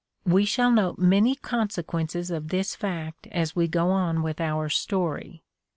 We shall note many consequences of this fact as we go on with our story.